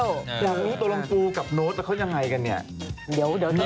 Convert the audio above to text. บ๊วยมีตระลมปูกับโน้ทจะยังไงกันเนี่ย